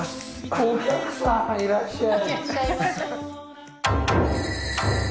お客さんいらっしゃい。